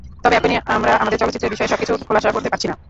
তবে এখনই আমরা আমাদের চলচ্চিত্রের বিষয়ে সবকিছু খোলাসা করতে পারছি না।